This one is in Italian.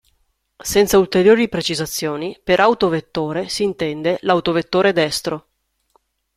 Senza ulteriori precisazioni, per "autovettore" si intende l'autovettore destro.